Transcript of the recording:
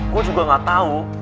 gue juga gak tau